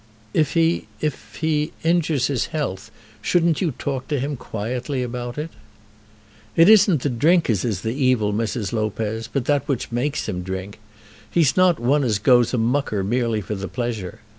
"If he, if he, injures his health, shouldn't you talk to him quietly about it?" "It isn't the drink as is the evil, Mrs. Lopez, but that which makes him drink. He's not one as goes a mucker merely for the pleasure.